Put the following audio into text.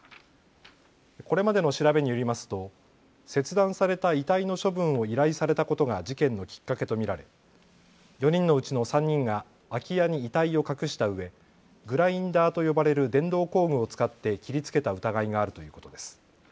これまでの調べによりますと切断された遺体の処分を依頼されたことが事件のきっかけと見られ、４人のうちの３人が空き家に遺体を隠したうえ、グラインダーと呼ばれる電動工具を使って切りつけた疑いがあるということです。